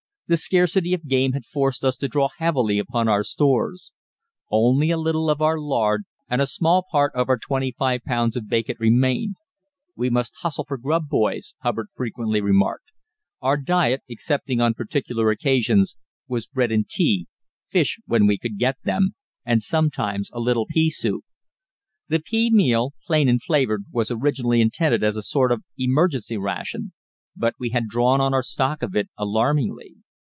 The scarcity of game had forced us to draw heavily upon our stores. Only a little of our lard and a small part of our twenty five pounds of bacon remained. "We must hustle for grub, boys," Hubbard frequently remarked. Our diet, excepting on particular occasions, was bread and tea, fish when we could get them, and sometimes a little pea soup. The pea meal, plain and flavoured, was originally intended as a sort of emergency ration, but we had drawn on our stock of it alarmingly.